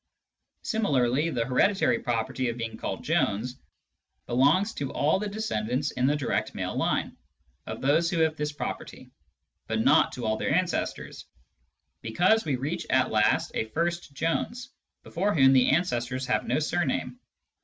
Similarly, the hereditary property of being called Jones belongs to all the descendants (in the direct male line) of those who have this property, but not to all their ancestors, because we reach at last a first Jones, before whom the ancestors have no surname.